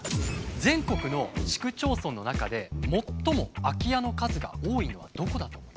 全国の市区町村の中で最も空き家の数が多いのはどこだと思いますか？